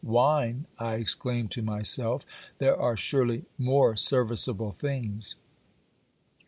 Wine! I exclaimed to myself; there are surely more serviceable things.